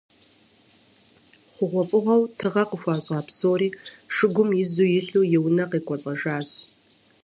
ХъугъуэфӀыгъуэу тыгъэ къыхуащӀа псори шыгум изу илъу, и унэ къекӀуэлӀэжащ.